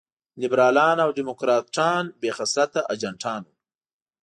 لېبرالان او ډيموکراټان بې خصلته اجنټان وو.